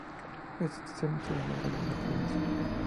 Es el tercer estadio más grande de la provincia.